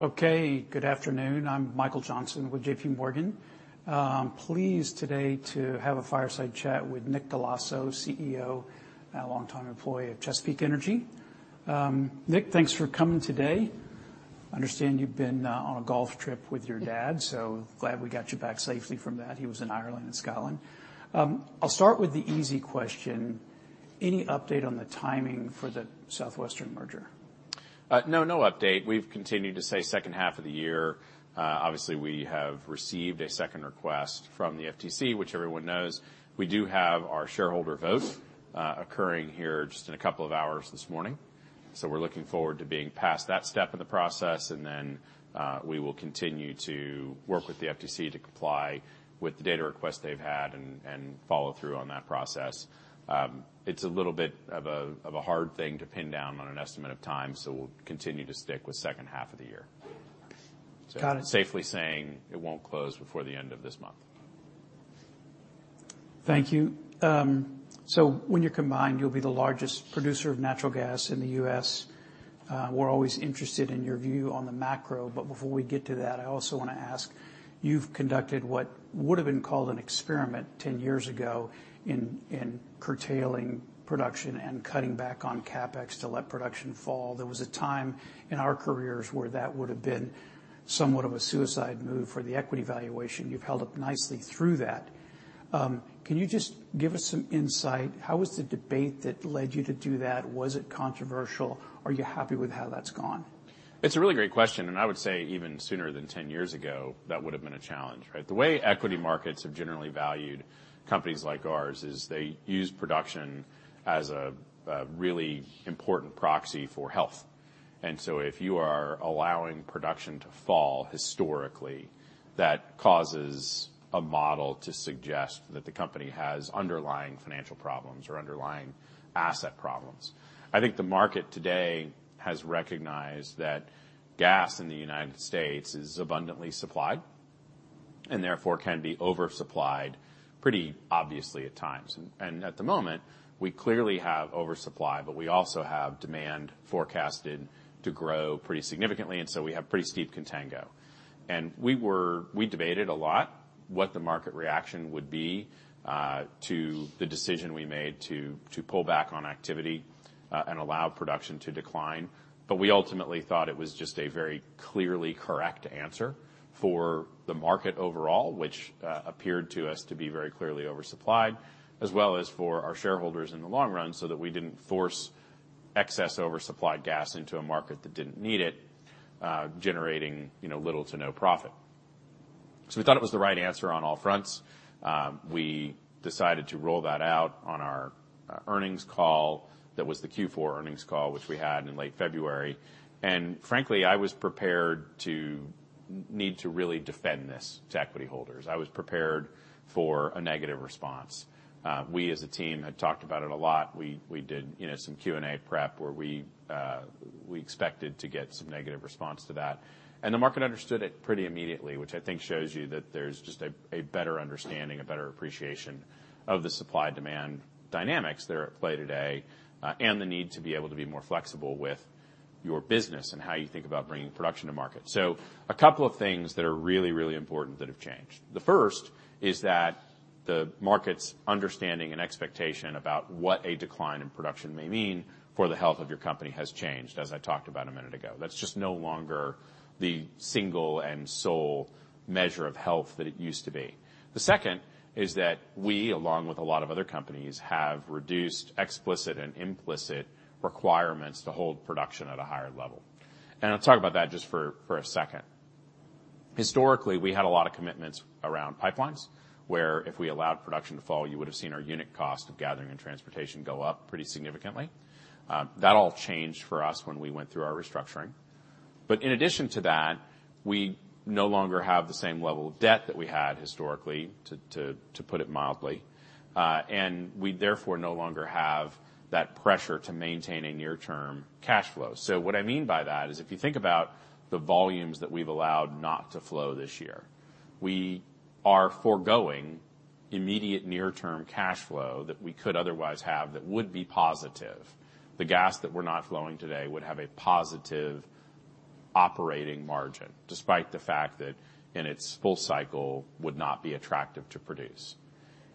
Okay, good afternoon. I'm Michael Johnson with JPMorgan, pleased today to have a fireside chat with Nick Dell'Osso, CEO, longtime employee of Chesapeake Energy. Nick, thanks for coming today. I understand you've been on a golf trip with your dad, so glad we got you back safely from that. He was in Ireland and Scotland. I'll start with the easy question: any update on the timing for the Southwestern merger? No, no update. We've continued to say second half of the year. Obviously, we have received a second request from the FTC, which everyone knows. We do have our shareholder vote, occurring here just in a couple of hours this morning. So we're looking forward to being past that step in the process, and then we will continue to work with the FTC to comply with the data request they've had and follow through on that process. It's a little bit of a hard thing to pin down on an estimate of time, so we'll continue to stick with second half of the year. Got it. Safely saying it won't close before the end of this month. Thank you. So when you're combined, you'll be the largest producer of natural gas in the U.S. We're always interested in your view on the macro, but before we get to that, I also want to ask: you've conducted what would have been called an experiment 10 years ago in curtailing production and cutting back on CapEx to let production fall. There was a time in our careers where that would have been somewhat of a suicide move for the equity valuation. You've held up nicely through that. Can you just give us some insight? How was the debate that led you to do that? Was it controversial? Are you happy with how that's gone? It's a really great question, and I would say even sooner than 10 years ago, that would have been a challenge, right? The way equity markets have generally valued companies like ours is they use production as a really important proxy for health. And so if you are allowing production to fall historically, that causes a model to suggest that the company has underlying financial problems or underlying asset problems. I think the market today has recognized that gas in the United States is abundantly supplied and therefore can be oversupplied pretty obviously at times. And at the moment, we clearly have oversupply, but we also have demand forecasted to grow pretty significantly, and so we have pretty steep contango. We debated a lot what the market reaction would be to the decision we made to pull back on activity and allow production to decline. But we ultimately thought it was just a very clearly correct answer for the market overall, which appeared to us to be very clearly oversupplied, as well as for our shareholders in the long run so that we didn't force excess oversupplied gas into a market that didn't need it, generating, you know, little to no profit. So we thought it was the right answer on all fronts. We decided to roll that out on our earnings call that was the Q4 earnings call, which we had in late February. And frankly, I was prepared to need to really defend this to equity holders. I was prepared for a negative response. We as a team had talked about it a lot. We did, you know, some Q&A prep where we expected to get some negative response to that. The market understood it pretty immediately, which I think shows you that there's just a better understanding, a better appreciation of the supply-demand dynamics that are at play today, and the need to be able to be more flexible with your business and how you think about bringing production to market. A couple of things that are really, really important that have changed. The first is that the market's understanding and expectation about what a decline in production may mean for the health of your company has changed, as I talked about a minute ago. That's just no longer the single and sole measure of health that it used to be. The second is that we, along with a lot of other companies, have reduced explicit and implicit requirements to hold production at a higher level. And I'll talk about that just for a second. Historically, we had a lot of commitments around pipelines where if we allowed production to fall, you would have seen our unit cost of gathering and transportation go up pretty significantly. That all changed for us when we went through our restructuring. But in addition to that, we no longer have the same level of debt that we had historically, to put it mildly. And we therefore no longer have that pressure to maintain a near-term cash flow. So what I mean by that is if you think about the volumes that we've allowed not to flow this year, we are foregoing immediate near-term cash flow that we could otherwise have that would be positive. The gas that we're not flowing today would have a positive operating margin despite the fact that in its full cycle would not be attractive to produce.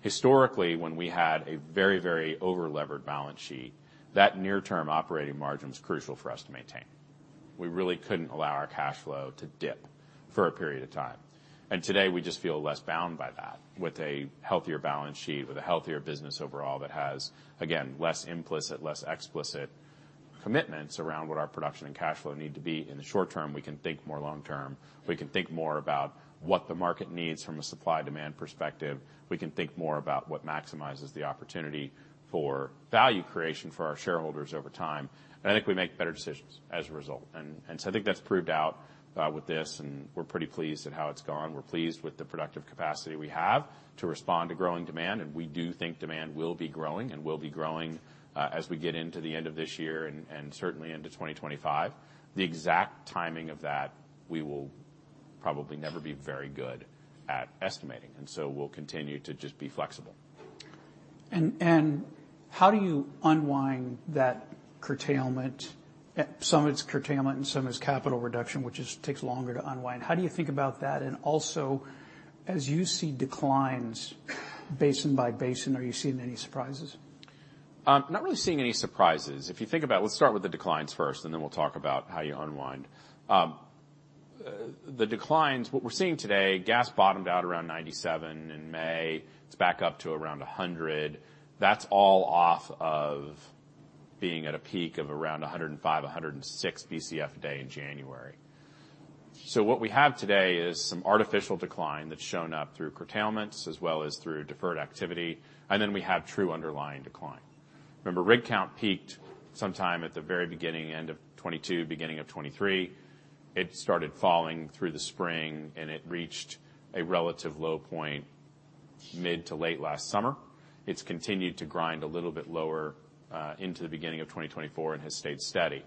Historically, when we had a very, very over-levered balance sheet, that near-term operating margin was crucial for us to maintain. We really couldn't allow our cash flow to dip for a period of time. And today, we just feel less bound by that. With a healthier balance sheet, with a healthier business overall that has, again, less implicit, less explicit commitments around what our production and cash flow need to be in the short term, we can think more long term. We can think more about what the market needs from a supply-demand perspective. We can think more about what maximizes the opportunity for value creation for our shareholders over time. I think we make better decisions as a result. So I think that's proved out, with this, and we're pretty pleased at how it's gone. We're pleased with the productive capacity we have to respond to growing demand, and we do think demand will be growing and will be growing, as we get into the end of this year and certainly into 2025. The exact timing of that, we will probably never be very good at estimating, and so we'll continue to just be flexible. And how do you unwind that curtailment, some of it is curtailment and some of it is capital reduction, which just takes longer to unwind? How do you think about that? And also, as you see declines basin by basin, are you seeing any surprises? Not really seeing any surprises. If you think about let's start with the declines first, and then we'll talk about how you unwind the declines, what we're seeing today, gas bottomed out around 97 in May. It's back up to around 100. That's all off of being at a peak of around 105-106 BCF a day in January. So what we have today is some artificial decline that's shown up through curtailments as well as through deferred activity. And then we have true underlying decline. Remember, rig count peaked sometime at the very beginning, end of 2022, beginning of 2023. It started falling through the spring, and it reached a relative low point mid to late last summer. It's continued to grind a little bit lower, into the beginning of 2024 and has stayed steady.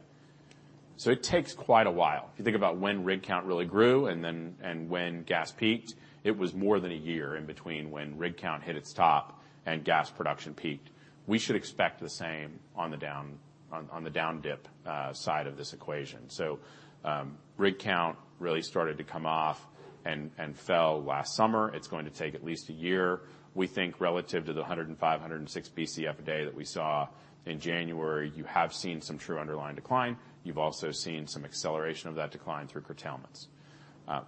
So it takes quite a while. If you think about when rig count really grew and then and when gas peaked, it was more than a year in between when rig count hit its top and gas production peaked. We should expect the same on the down on, on the down dip, side of this equation. So, rig count really started to come off and, and fell last summer. It's going to take at least a year. We think relative to the 105-106 BCF a day that we saw in January, you have seen some true underlying decline. You've also seen some acceleration of that decline through curtailments.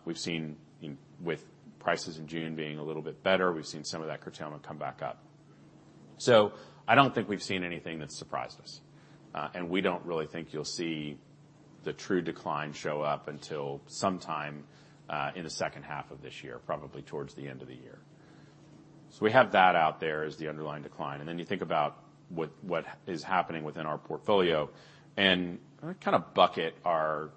We've seen in with prices in June being a little bit better, we've seen some of that curtailment come back up. So I don't think we've seen anything that's surprised us. and we don't really think you'll see the true decline show up until sometime, in the second half of this year, probably towards the end of the year. So we have that out there as the underlying decline. And then you think about what, what is happening within our portfolio and kind of bucket our,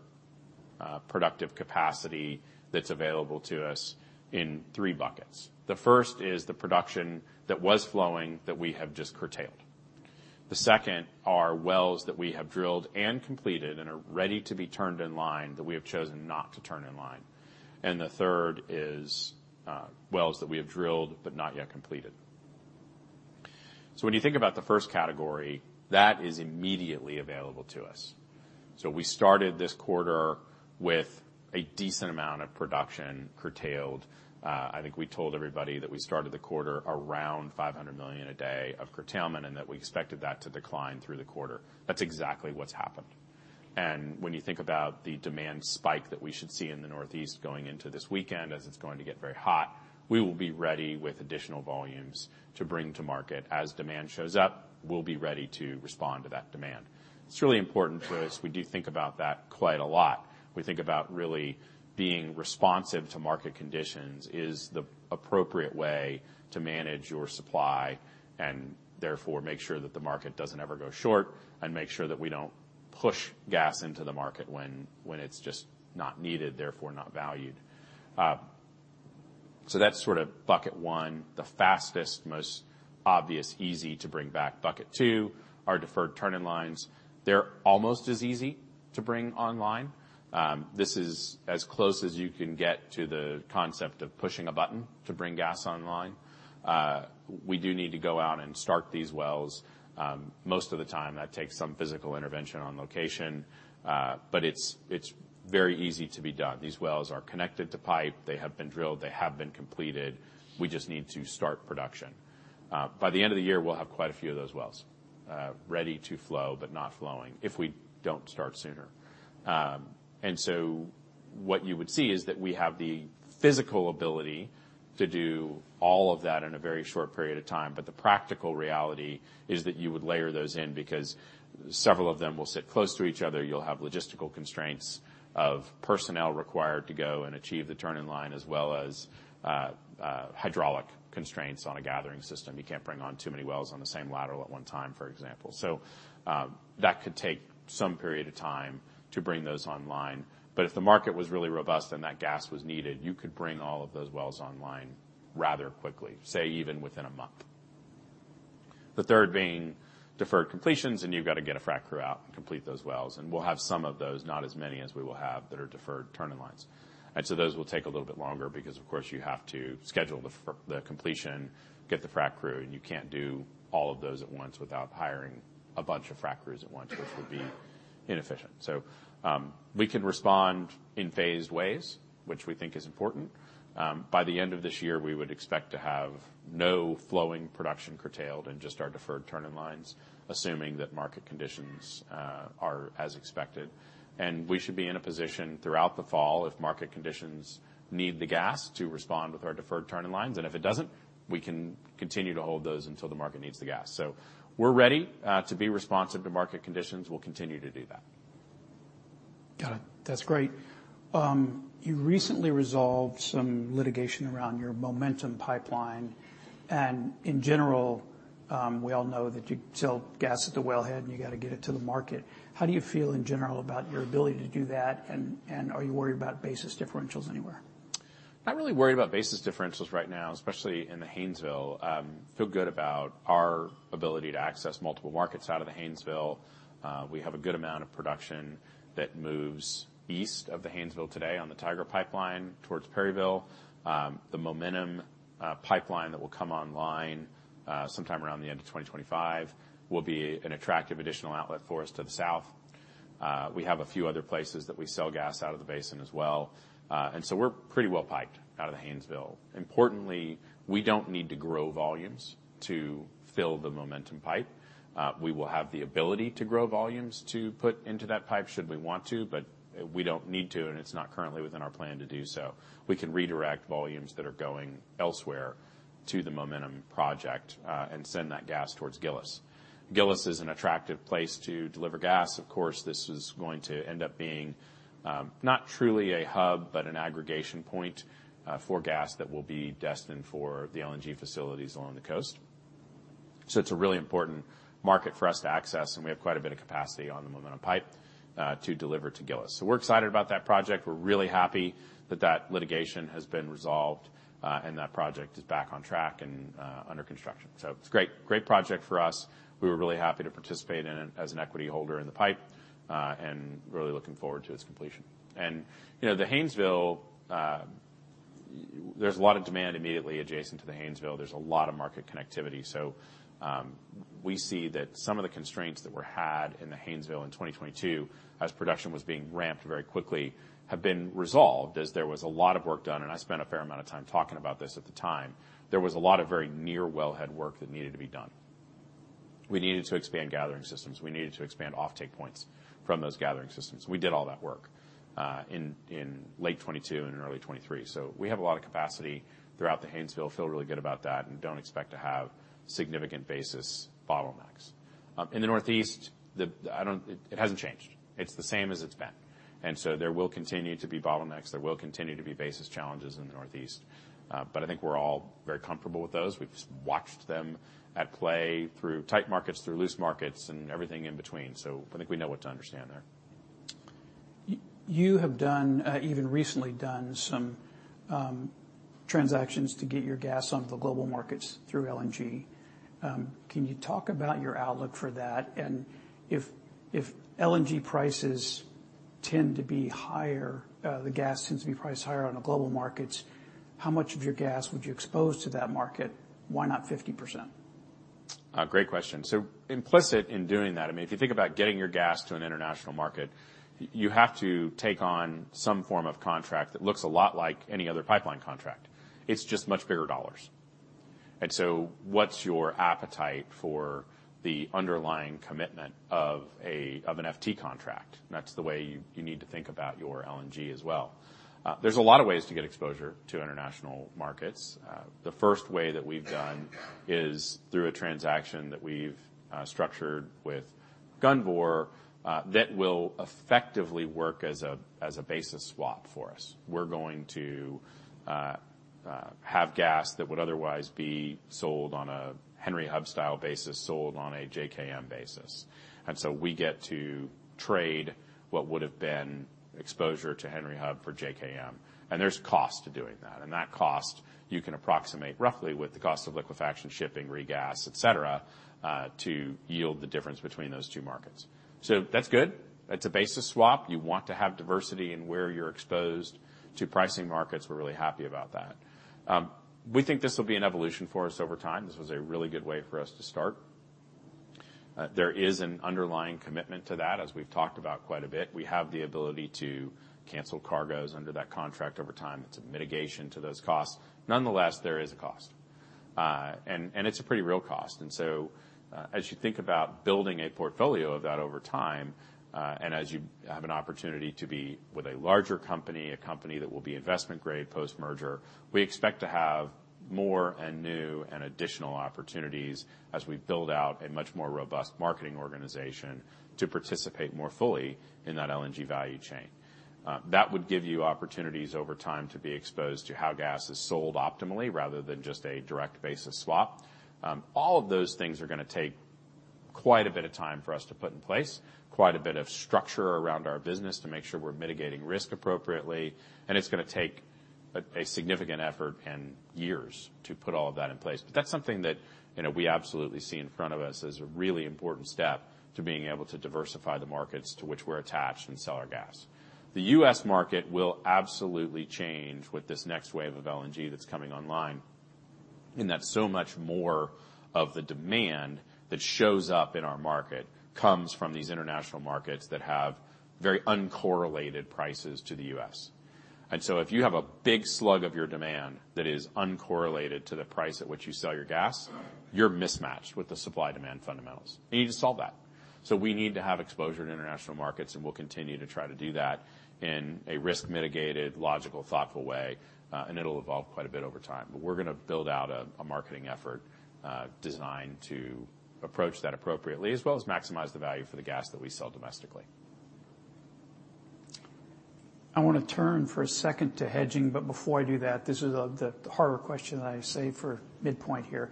productive capacity that's available to us in three buckets. The first is the production that was flowing that we have just curtailed. The second are wells that we have drilled and completed and are ready to be turned in line that we have chosen not to turn in line. And the third is, wells that we have drilled but not yet completed. So when you think about the first category, that is immediately available to us. So we started this quarter with a decent amount of production curtailed. I think we told everybody that we started the quarter around 500 million a day of curtailment and that we expected that to decline through the quarter. That's exactly what's happened. And when you think about the demand spike that we should see in the Northeast going into this weekend as it's going to get very hot, we will be ready with additional volumes to bring to market. As demand shows up, we'll be ready to respond to that demand. It's really important for us. We do think about that quite a lot. We think about really being responsive to market conditions is the appropriate way to manage your supply and therefore make sure that the market doesn't ever go short and make sure that we don't push gas into the market when it's just not needed, therefore not valued. So that's sort of bucket one. The fastest, most obvious, easy to bring back bucket two, our deferred turn-in lines. They're almost as easy to bring online. This is as close as you can get to the concept of pushing a button to bring gas online. We do need to go out and start these wells. Most of the time, that takes some physical intervention on location. But it's, it's very easy to be done. These wells are connected to pipe. They have been drilled. They have been completed. We just need to start production. By the end of the year, we'll have quite a few of those wells, ready to flow but not flowing if we don't start sooner. And so what you would see is that we have the physical ability to do all of that in a very short period of time. But the practical reality is that you would layer those in because several of them will sit close to each other. You'll have logistical constraints of personnel required to go and achieve the turn-in line as well as hydraulic constraints on a gathering system. You can't bring on too many wells on the same lateral at one time, for example. So, that could take some period of time to bring those online. But if the market was really robust and that gas was needed, you could bring all of those wells online rather quickly, say, even within a month. The third being deferred completions, and you've got to get a frac crew out and complete those wells. And we'll have some of those, not as many as we will have that are deferred turn-in lines. Those will take a little bit longer because, of course, you have to schedule the completion, get the frac crew, and you can't do all of those at once without hiring a bunch of frac crews at once, which would be inefficient. So, we can respond in phased ways, which we think is important. By the end of this year, we would expect to have no flowing production curtailed and just our deferred turn-in lines, assuming that market conditions are as expected. And we should be in a position throughout the fall if market conditions need the gas to respond with our deferred turn-in lines. And if it doesn't, we can continue to hold those until the market needs the gas. So we're ready to be responsive to market conditions. We'll continue to do that. Got it. That's great. You recently resolved some litigation around your Momentum Pipeline. And in general, we all know that you sell gas at the wellhead, and you got to get it to the market. How do you feel in general about your ability to do that? And are you worried about basis differentials anywhere? Not really worried about basis differentials right now, especially in the Haynesville. Feel good about our ability to access multiple markets out of the Haynesville. We have a good amount of production that moves east of the Haynesville today on the Tiger Pipeline towards Perryville. The Momentum Pipeline that will come online sometime around the end of 2025 will be an attractive additional outlet for us to the south. We have a few other places that we sell gas out of the basin as well. And so we're pretty well piped out of the Haynesville. Importantly, we don't need to grow volumes to fill the Momentum pipe. We will have the ability to grow volumes to put into that pipe should we want to, but we don't need to, and it's not currently within our plan to do so. We can redirect volumes that are going elsewhere to the Momentum project, and send that gas towards Gillis. Gillis is an attractive place to deliver gas. Of course, this is going to end up being, not truly a hub, but an aggregation point, for gas that will be destined for the LNG facilities along the coast. So it's a really important market for us to access, and we have quite a bit of capacity on the Momentum pipe, to deliver to Gillis. So we're excited about that project. We're really happy that that litigation has been resolved, and that project is back on track and, under construction. So it's a great, great project for us. We were really happy to participate in it as an equity holder in the pipe, and really looking forward to its completion. And, you know, the Haynesville, there's a lot of demand immediately adjacent to the Haynesville. There's a lot of market connectivity. So, we see that some of the constraints that were had in the Haynesville in 2022 as production was being ramped very quickly have been resolved as there was a lot of work done. And I spent a fair amount of time talking about this at the time. There was a lot of very near wellhead work that needed to be done. We needed to expand gathering systems. We needed to expand offtake points from those gathering systems. We did all that work, in, in late 2022 and in early 2023. So we have a lot of capacity throughout the Haynesville. Feel really good about that and don't expect to have significant basis bottlenecks in the Northeast, the I don't it hasn't changed. It's the same as it's been. And so there will continue to be bottlenecks. There will continue to be basis challenges in the Northeast. But I think we're all very comfortable with those. We've watched them at play through tight markets, through loose markets, and everything in between. So I think we know what to understand there. You have done, even recently done some, transactions to get your gas onto the global markets through LNG. Can you talk about your outlook for that? And if, if LNG prices tend to be higher, the gas tends to be priced higher on the global markets, how much of your gas would you expose to that market? Why not 50%? Great question. So implicit in doing that, I mean, if you think about getting your gas to an international market, you have to take on some form of contract that looks a lot like any other pipeline contract. It's just much bigger dollars. And so what's your appetite for the underlying commitment of an FT contract? That's the way you need to think about your LNG as well. There's a lot of ways to get exposure to international markets. The first way that we've done is through a transaction that we've structured with Gunvor, that will effectively work as a basis swap for us. We're going to have gas that would otherwise be sold on a Henry Hub style basis, sold on a JKM basis. And so we get to trade what would have been exposure to Henry Hub for JKM. There's cost to doing that. That cost, you can approximate roughly with the cost of liquefaction, shipping, re-gas, etc., to yield the difference between those two markets. So that's good. That's a basis swap. You want to have diversity in where you're exposed to pricing markets. We're really happy about that. We think this will be an evolution for us over time. This was a really good way for us to start. There is an underlying commitment to that, as we've talked about quite a bit. We have the ability to cancel cargoes under that contract over time. It's a mitigation to those costs. Nonetheless, there is a cost. And it's a pretty real cost. And so, as you think about building a portfolio of that over time, and as you have an opportunity to be with a larger company, a company that will be investment grade post-merger, we expect to have more and new and additional opportunities as we build out a much more robust marketing organization to participate more fully in that LNG value chain. That would give you opportunities over time to be exposed to how gas is sold optimally rather than just a direct basis swap. All of those things are going to take quite a bit of time for us to put in place, quite a bit of structure around our business to make sure we're mitigating risk appropriately. And it's going to take a, a significant effort and years to put all of that in place. But that's something that, you know, we absolutely see in front of us as a really important step to being able to diversify the markets to which we're attached and sell our gas. The U.S. market will absolutely change with this next wave of LNG that's coming online. And that's so much more of the demand that shows up in our market comes from these international markets that have very uncorrelated prices to the U.S. And so if you have a big slug of your demand that is uncorrelated to the price at which you sell your gas, you're mismatched with the supply-demand fundamentals. And you need to solve that. So we need to have exposure to international markets, and we'll continue to try to do that in a risk-mitigated, logical, thoughtful way. And it'll evolve quite a bit over time. But we're going to build out a marketing effort, designed to approach that appropriately, as well as maximize the value for the gas that we sell domestically. I want to turn for a second to hedging. But before I do that, this is the harder question that I save for midpoint here.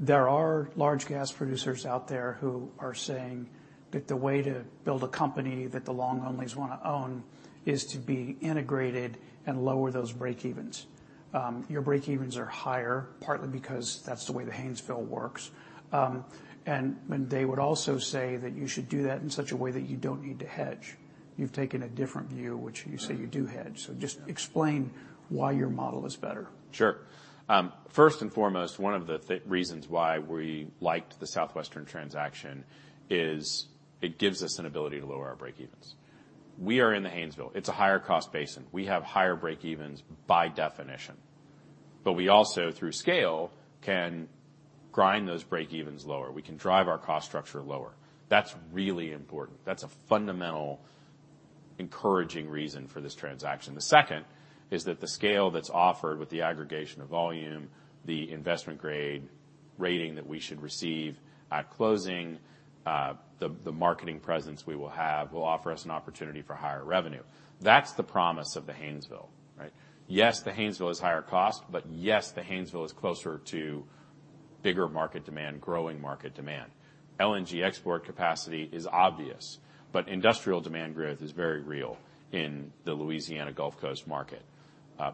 There are large gas producers out there who are saying that the way to build a company that the long-onlys want to own is to be integrated and lower those breakevens. Your breakevens are higher, partly because that's the way the Haynesville works. And they would also say that you should do that in such a way that you don't need to hedge. You've taken a different view, which you say you do hedge. So just explain why your model is better. Sure. First and foremost, one of the reasons why we liked the Southwestern transaction is it gives us an ability to lower our breakevens. We are in the Haynesville. It's a higher-cost basin. We have higher breakevens by definition. But we also, through scale, can grind those breakevens lower. We can drive our cost structure lower. That's really important. That's a fundamental encouraging reason for this transaction. The second is that the scale that's offered with the aggregation of volume, the investment grade rating that we should receive at closing, the marketing presence we will have will offer us an opportunity for higher revenue. That's the promise of the Haynesville, right? Yes, the Haynesville is higher cost, but yes, the Haynesville is closer to bigger market demand, growing market demand. LNG export capacity is obvious, but industrial demand growth is very real in the Louisiana Gulf Coast market.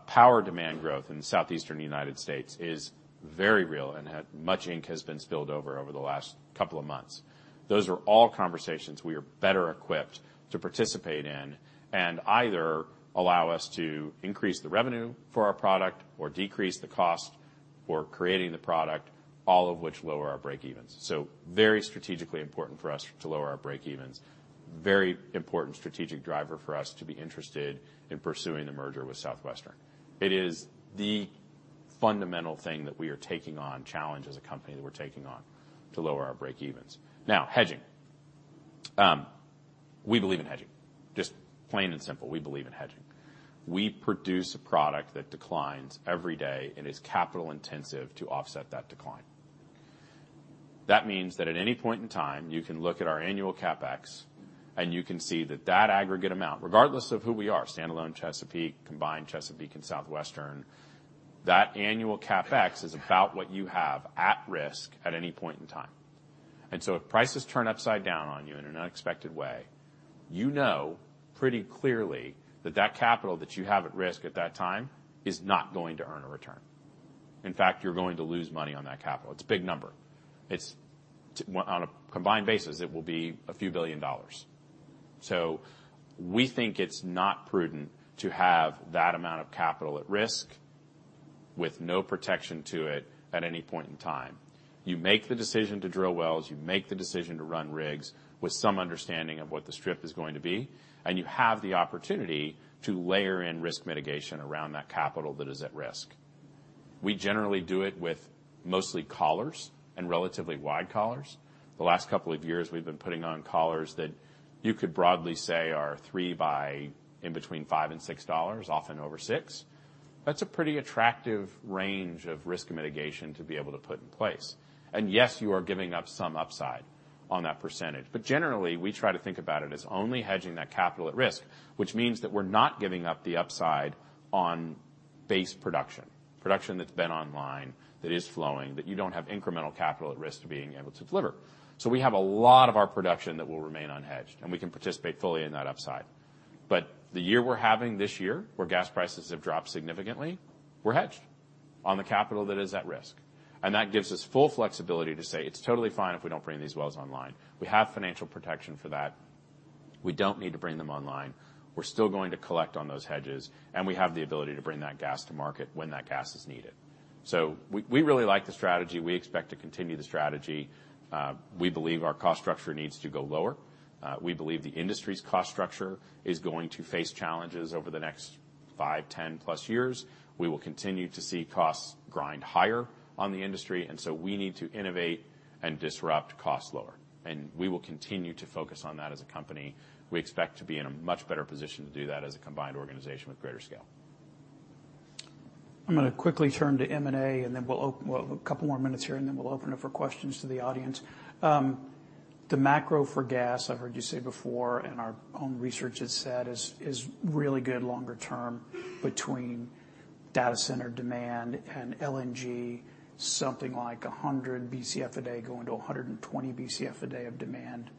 Power demand growth in the southeastern United States is very real, and much ink has been spilled over the last couple of months. Those are all conversations we are better equipped to participate in and either allow us to increase the revenue for our product or decrease the cost for creating the product, all of which lower our breakevens. So very strategically important for us to lower our breakevens. Very important strategic driver for us to be interested in pursuing the merger with Southwestern. It is the fundamental thing that we are taking on, challenge as a company that we're taking on to lower our breakevens. Now, hedging. We believe in hedging. Just plain and simple, we believe in hedging. We produce a product that declines every day, and it's capital-intensive to offset that decline. That means that at any point in time, you can look at our annual CapEx, and you can see that that aggregate amount, regardless of who we are, standalone Chesapeake, combined Chesapeake and Southwestern, that annual CapEx is about what you have at risk at any point in time. And so if prices turn upside down on you in an unexpected way, you know pretty clearly that that capital that you have at risk at that time is not going to earn a return. In fact, you're going to lose money on that capital. It's a big number. It's on a combined basis, it will be few billion dollars. So we think it's not prudent to have that amount of capital at risk with no protection to it at any point in time. You make the decision to drill wells. You make the decision to run rigs with some understanding of what the strip is going to be. You have the opportunity to layer in risk mitigation around that capital that is at risk. We generally do it with mostly collars and relatively wide collars. The last couple of years, we've been putting on collars that you could broadly say are $3 by in between $5 and $6, often over $6. That's a pretty attractive range of risk mitigation to be able to put in place. Yes, you are giving up some upside on that percentage. But generally, we try to think about it as only hedging that capital at risk, which means that we're not giving up the upside on base production, production that's been online, that is flowing, that you don't have incremental capital at risk to being able to deliver. So we have a lot of our production that will remain unhedged, and we can participate fully in that upside. But the year we're having this year, where gas prices have dropped significantly, we're hedged on the capital that is at risk. And that gives us full flexibility to say, it's totally fine if we don't bring these wells online. We have financial protection for that. We don't need to bring them online. We're still going to collect on those hedges, and we have the ability to bring that gas to market when that gas is needed. So we, we really like the strategy. We expect to continue the strategy. We believe our cost structure needs to go lower. We believe the industry's cost structure is going to face challenges over the next five, 10+ years. We will continue to see costs grind higher on the industry. So we need to innovate and disrupt costs lower. We will continue to focus on that as a company. We expect to be in a much better position to do that as a combined organization with greater scale. I'm going to quickly turn to M&A, and then we'll open a couple more minutes here, and then we'll open it for questions to the audience. The macro for gas, I've heard you say before, and our own research has said is really good longer term between data center demand and LNG, something like 100 BCF a day going to 120 BCF a day of demand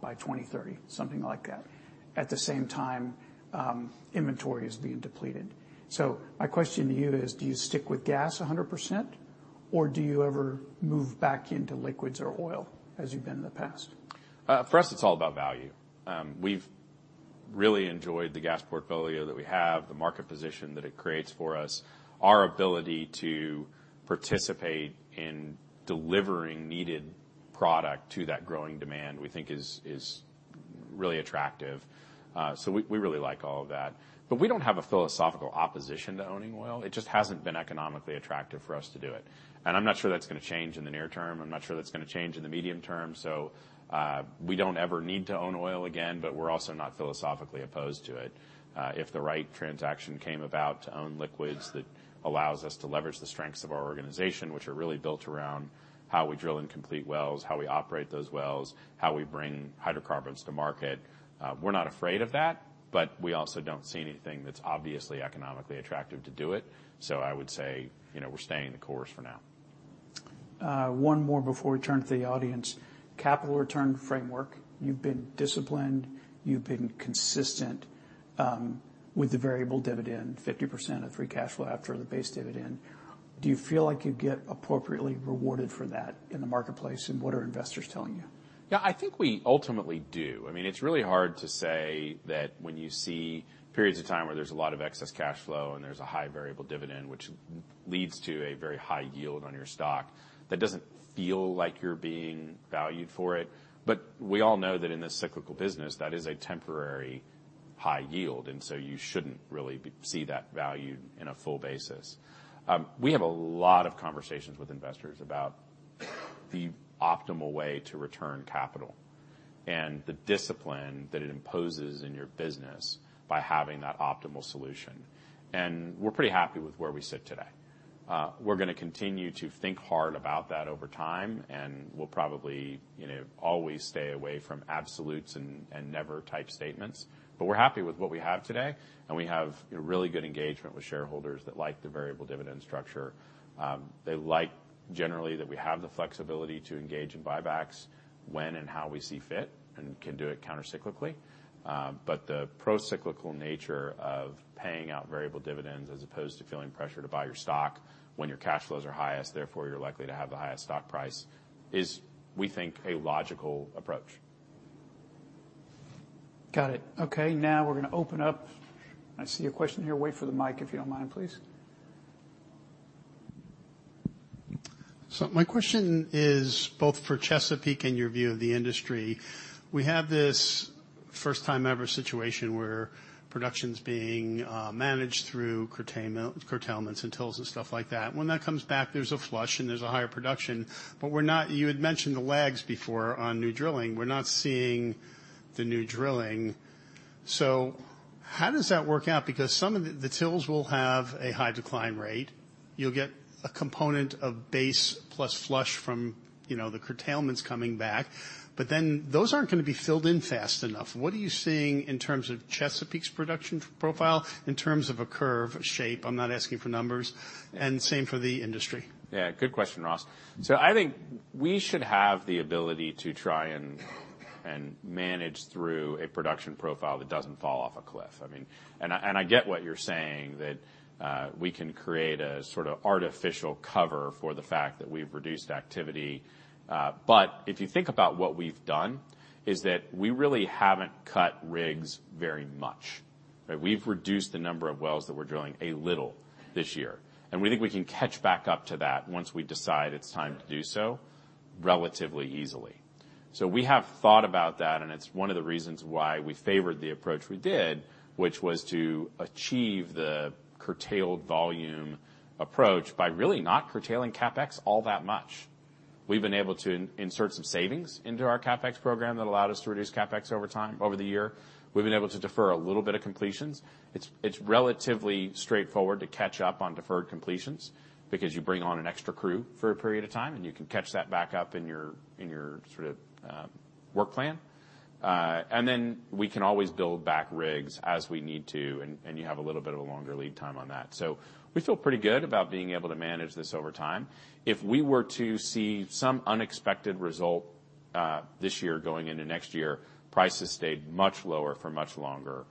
by 2030, something like that. At the same time, inventory is being depleted. So my question to you is, do you stick with gas 100%, or do you ever move back into liquids or oil as you've been in the past? For us, it's all about value. We've really enjoyed the gas portfolio that we have, the market position that it creates for us. Our ability to participate in delivering needed product to that growing demand, we think is, is really attractive. So we, we really like all of that. But we don't have a philosophical opposition to owning oil. It just hasn't been economically attractive for us to do it. And I'm not sure that's going to change in the near term. I'm not sure that's going to change in the medium term. So, we don't ever need to own oil again, but we're also not philosophically opposed to it. If the right transaction came about to own liquids that allows us to leverage the strengths of our organization, which are really built around how we drill and complete wells, how we operate those wells, how we bring hydrocarbons to market, we're not afraid of that, but we also don't see anything that's obviously economically attractive to do it. So I would say, you know, we're staying the course for now. One more before we turn to the audience. Capital return framework. You've been disciplined. You've been consistent, with the variable dividend, 50% of free cash flow after the base dividend. Do you feel like you get appropriately rewarded for that in the marketplace, and what are investors telling you? Yeah, I think we ultimately do. I mean, it's really hard to say that when you see periods of time where there's a lot of excess cash flow and there's a high variable dividend, which leads to a very high yield on your stock, that doesn't feel like you're being valued for it. But we all know that in this cyclical business, that is a temporary high yield. And so you shouldn't really be seeing that valued in a full basis. We have a lot of conversations with investors about the optimal way to return capital and the discipline that it imposes in your business by having that optimal solution. And we're pretty happy with where we sit today. We're going to continue to think hard about that over time, and we'll probably, you know, always stay away from absolutes and, and never type statements. But we're happy with what we have today. We have really good engagement with shareholders that like the variable dividend structure. They like generally that we have the flexibility to engage in buybacks when and how we see fit and can do it countercyclically. But the procyclical nature of paying out variable dividends as opposed to feeling pressure to buy your stock when your cash flows are highest, therefore you're likely to have the highest stock price is, we think, a logical approach. Got it. Okay. Now we're going to open up. I see a question here. Wait for the mic, if you don't mind, please. So my question is both for Chesapeake and your view of the industry. We have this first-time-ever situation where production's being managed through curtailments and TILs and stuff like that. When that comes back, there's a flush and there's a higher production. But we're not; you had mentioned the lags before on new drilling. We're not seeing the new drilling. So how does that work out? Because some of the TILs will have a high decline rate. You'll get a component of base plus flush from, you know, the curtailments coming back. But then those aren't going to be filled in fast enough. What are you seeing in terms of Chesapeake's production profile, in terms of a curve shape? I'm not asking for numbers. And same for the industry. Yeah, good question, Ross. So I think we should have the ability to try and manage through a production profile that doesn't fall off a cliff. I mean, I get what you're saying that we can create a sort of artificial cover for the fact that we've reduced activity. But if you think about what we've done is that we really haven't cut rigs very much. We've reduced the number of wells that we're drilling a little this year. And we think we can catch back up to that once we decide it's time to do so relatively easily. So we have thought about that, and it's one of the reasons why we favored the approach we did, which was to achieve the curtailed volume approach by really not curtailing CapEx all that much. We've been able to insert some savings into our CapEx program that allowed us to reduce CapEx over time, over the year. We've been able to defer a little bit of completions. It's, it's relatively straightforward to catch up on deferred completions because you bring on an extra crew for a period of time, and you can catch that back up in your, in your sort of, work plan. And then we can always build back rigs as we need to, and, and you have a little bit of a longer lead time on that. So we feel pretty good about being able to manage this over time. If we were to see some unexpected result, this year going into next year, prices stayed much lower for much longer,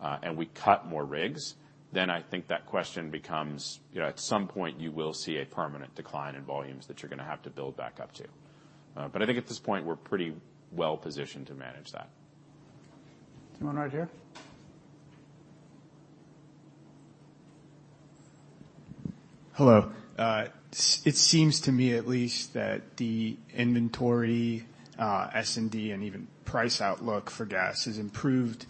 and we cut more rigs, then I think that question becomes, you know, at some point you will see a permanent decline in volumes that you're going to have to build back up to. But I think at this point we're pretty well positioned to manage that. Do you want to write here? Hello. It seems to me at least that the inventory, S&D, and even price outlook for gas has improved,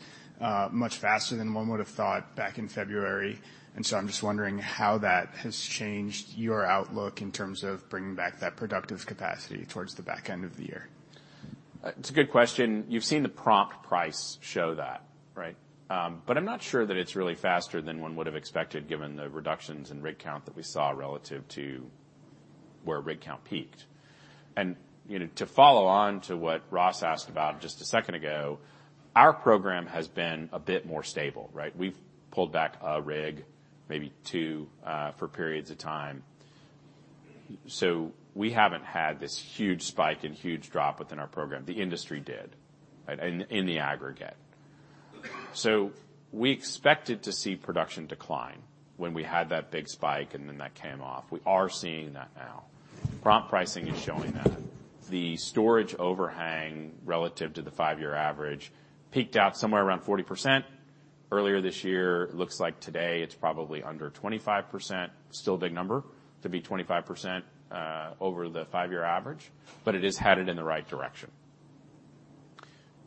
much faster than one would have thought back in February. And so I'm just wondering how that has changed your outlook in terms of bringing back that productive capacity towards the back end of the year. It's a good question. You've seen the prompt price show that, right? But I'm not sure that it's really faster than one would have expected given the reductions in rig count that we saw relative to where rig count peaked. And, you know, to follow on to what Ross asked about just a second ago, our program has been a bit more stable, right? We've pulled back a rig, maybe two, for periods of time. So we haven't had this huge spike and huge drop within our program. The industry did, right, in the aggregate. So we expected to see production decline when we had that big spike and then that came off. We are seeing that now. Prompt pricing is showing that. The storage overhang relative to the five-year average peaked out somewhere around 40% earlier this year. It looks like today it's probably under 25%, still a big number to be 25%, over the five-year average, but it is headed in the right direction.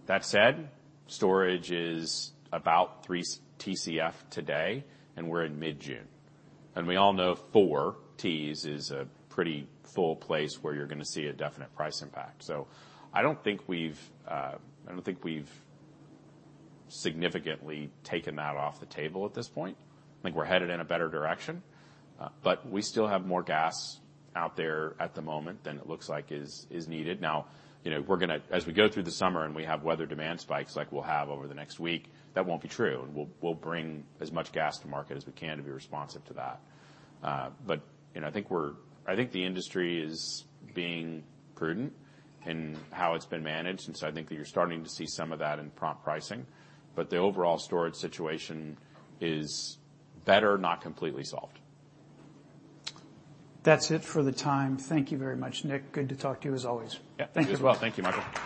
That said, storage is about 3 TCF today, and we're in mid-June. And we all know 4 TCF is a pretty full place where you're going to see a definite price impact. So I don't think we've, I don't think we've significantly taken that off the table at this point. I think we're headed in a better direction. But we still have more gas out there at the moment than it looks like is, is needed. Now, you know, we're going to, as we go through the summer and we have weather demand spikes like we'll have over the next week, that won't be true. And we'll, we'll bring as much gas to market as we can to be responsive to that. You know, I think the industry is being prudent in how it's been managed. So I think that you're starting to see some of that in prompt pricing. But the overall storage situation is better, not completely solved. That's it for the time. Thank you very much, Nick. Good to talk to you as always. Yeah, thank you as well. Thank you, Michael.